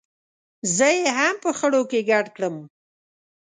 زه یې هم په خړو کې ګډ کړم.